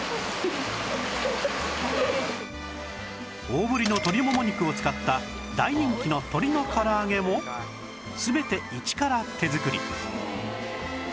大ぶりの鶏もも肉を使った大人気の鶏の唐揚げも全て一から手作り